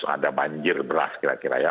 ada banjir beras kira kira ya